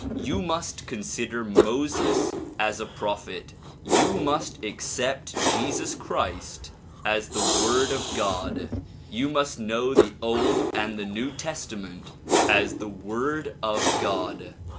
You must consider Moses as a prophet. You must accept Jesus Christ as the Word of God. You must know the old and the new testament as the Word of God.